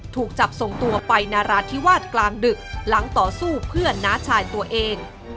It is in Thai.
ถูกจับส่งตัวไปนาราธิวาสกลางดึกหลังต่อสู้เพื่อนน้าชายตัวเอง